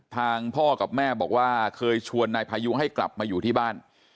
พ่อกับแม่บอกว่าเคยชวนนายพายุให้กลับมาอยู่ที่บ้าน